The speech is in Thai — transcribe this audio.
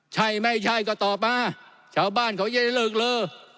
ใช่ไม่ใช่ก็ตอบมาชาวบ้านเขาจะลือกลือ